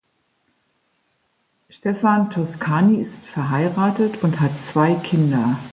Stephan Toscani ist verheiratet und hat zwei Kinder.